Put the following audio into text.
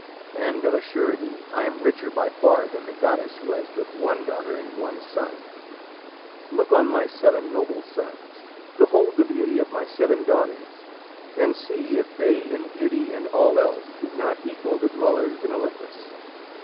And, of a surety, I am richer by far than the goddess who has but one daughter and one son. Look on my seven noble sons! behold the beauty of my seven daughters, and see if they in beauty and all else do not equal the dwellers in Olympus!"